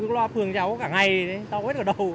loa phường chả có cả ngày tao hết ở đầu